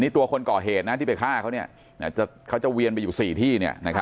ตัวคนก่อเหตุที่ไปฆ่าเขาอยู่๔ที่